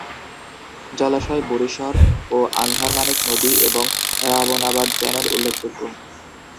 জলাশয় বুড়িশ্বর ও আন্ধারমানিক নদী এবং রাবনাবাদ চ্যানেল উল্লেখযোগ্য।